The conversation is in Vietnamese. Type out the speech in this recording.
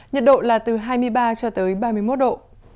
nhiệt độ là từ hai mươi ba cho tới ba mươi một độ